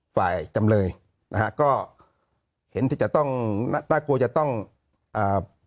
จำเลยนะฮะก็เห็นที่จะต้องน่ากลัวจะต้องอ่า